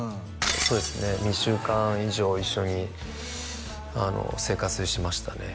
そうですね２週間以上一緒にあの生活しましたね